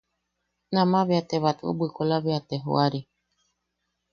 Nama bea te batwe bwikola bea te joari.